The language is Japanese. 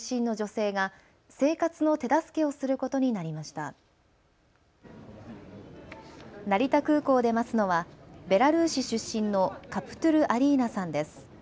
成田空港で待つのはベラルーシ出身のカプトゥル・アリーナさんです。